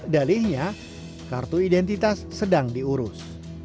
dalihnya kartu identitas sedang diurus